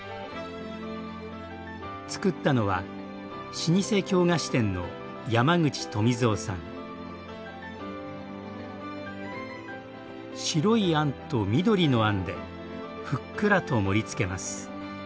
つくったのは老舗京菓子店の白いあんと緑のあんでふっくらと盛りつけます。